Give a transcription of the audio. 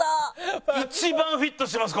一番フィットしてます！